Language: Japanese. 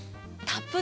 タップ？